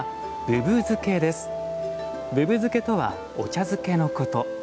ぶぶ漬けとはお茶漬けのこと。